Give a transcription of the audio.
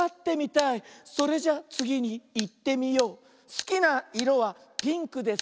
「すきないろはピンクです」